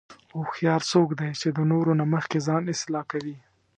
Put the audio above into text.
هوښیار څوک دی چې د نورو نه مخکې ځان اصلاح کوي.